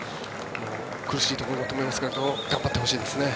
苦しいところだとは思いますが頑張ってほしいですね。